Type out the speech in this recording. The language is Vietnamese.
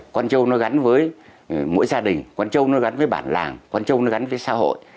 con trâu gắn với mỗi gia đình con trâu gắn với bản làng con trâu gắn với xã hội